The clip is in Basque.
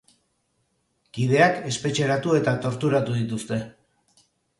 Kideak espetxeratu eta torturatu dituzte.